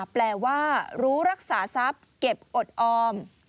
แปลว่ารู้รักษาทรัพย์เก็บอดออม